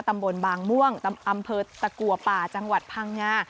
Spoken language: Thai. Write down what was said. ตำบลบางม่วงอำเภอตะกัวป่าจังหวัดพังงา